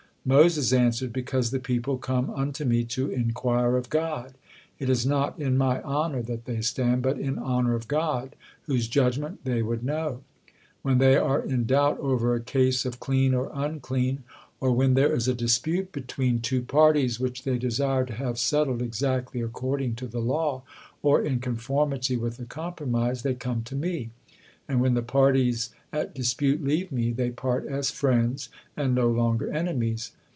Moses answered: "Because the people come unto me to enquire of God. It is not in my honor that they stand, but in honor of God, whose judgement they would know. When they are in doubt over a case of clean or unclean, or when there is a dispute between two parties, which they desire to have settled exactly according to the law, or in conformity with a compromise, they come to me; and when the parties at dispute leave me, they part as friends and no longer enemies.